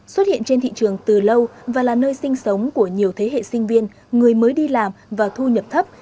xuất hiện trên thị trường từ lâu và là nơi sinh sống của nhiều thế hệ sinh viên người mới đi làm và thu nhập thấp